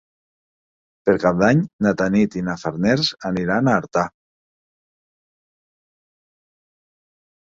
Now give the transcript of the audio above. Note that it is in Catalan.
Per Cap d'Any na Tanit i na Farners aniran a Artà.